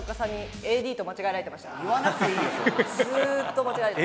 ずっと間違えられてた。